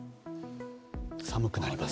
寒くなります。